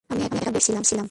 আমি একা একাই বেশ ছিলাম।